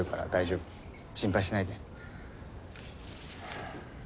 心配しないで。